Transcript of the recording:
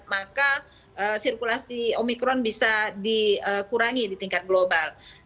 maka sirkulasi omikron bisa dikurangi di tingkat global